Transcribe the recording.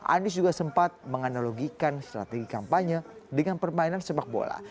anies juga sempat menganalogikan strategi kampanye dengan permainan sepak bola